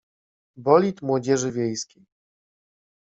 Bolid Młodzieży Wiejskiej.